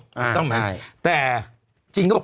แต่จริงก็บอกไม่ขอโทษครับ